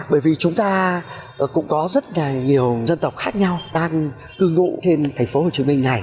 bởi vì chúng ta cũng có rất là nhiều dân tộc khác nhau đang cư ngụ trên thành phố hồ chí minh này